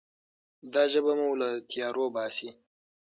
دا ژبه مو له تیارو باسي.